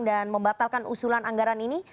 dan membatalkan usulan anggaran ini